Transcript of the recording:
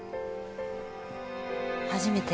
初めて？